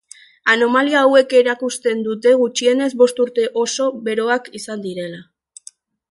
Anomalia hauek erakusten dute gutxienez bost urte oso beroak izan dira.